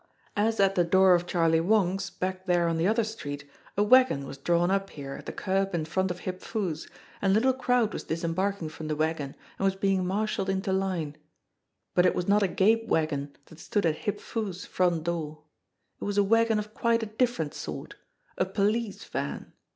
As at the door of Charlie Wong's back there on the other street, a wagon was drawn up here at the curb in front of Hip Foo's, and a little crowd was disem barking from the wagon and was being marshalled into line, but it was not a gape wagon that stood at Hip Foo's front door ; it was a wagon of quite a very different sort a police van.